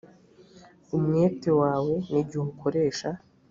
umwete wawe n igihe ukoresha